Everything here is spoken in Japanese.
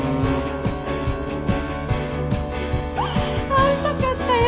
会いたかったよ